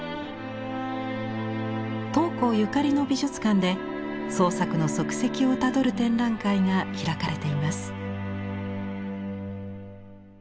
桃紅ゆかりの美術館で創作の足跡をたどる展覧会が開かれています。